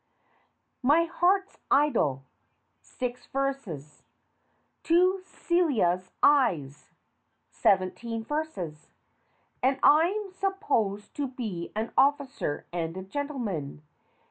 "My Heart's Idol" six verses. "To Celia's Eyes" seventeen verses. And I'm sup posed to be an officer and a gentleman.